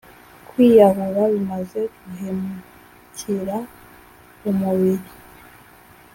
kwiyahura bimaze guhemukira umubiri.